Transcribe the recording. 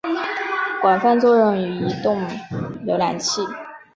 广泛作用于移动浏览器。